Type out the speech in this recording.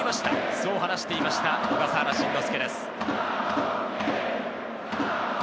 そう話していました小笠原慎之介です。